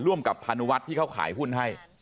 ร่วมกับพานุวัฒน์ที่เขาขายหุ้นให้